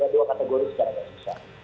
dua kategori secara garis besar